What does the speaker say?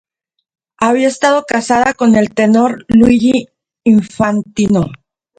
Había estado casada con el tenor Luigi Infantino.